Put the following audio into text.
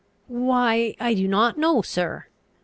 "Why, I do not know, sir.